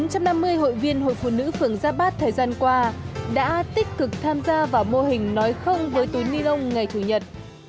bốn trăm năm mươi hội viên hội phụ nữ phường giáp bát thời gian qua đã tích cực tham gia vào mô hình nói không với túi ni lông ngày chủ nhật